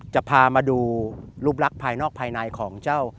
จะพามาดูรูปลักษณ์ภายนอกภายในของเจ้า